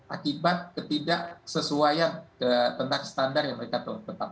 akibat ketidaksesuaian tentang standar yang mereka tetapkan